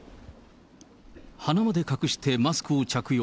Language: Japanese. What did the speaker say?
鼻まで隠してマスクを着用。